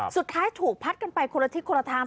สุดท้ายถูกพัดกันไปคนละทิศคนละทาง